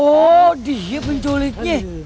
oh dia penculiknya